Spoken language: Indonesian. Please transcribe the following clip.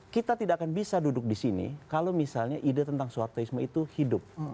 kita tidak akan bisa duduk di sini kalau misalnya ide tentang soehartoisme itu hidup